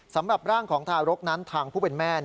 สำหรับร่างของทารกนั้นทางผู้เป็นแม่